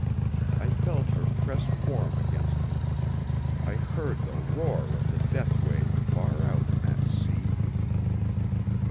I felt her press warm against me. I heard the roar of the death wave far out in that sea.